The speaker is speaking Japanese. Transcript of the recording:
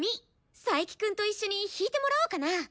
佐伯くんと一緒に弾いてもらおうかな！